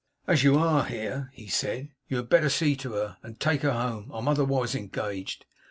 'As you ARE here,' he said, 'you had better see to her, and take her home. I am otherwise engaged.